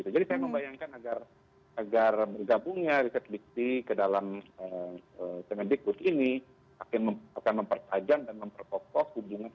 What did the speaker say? jadi saya membayangkan agar gabungnya riset dikti ke dalam teknik but ini akan mempertajam dan memperkokok hubungan